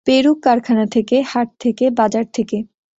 বেরুক কারখানা থেকে, হাট থেকে, বাজার থেকে।